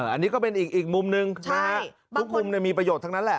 อันนี้ก็เป็นอีกมุมหนึ่งนะฮะทุกมุมมีประโยชน์ทั้งนั้นแหละ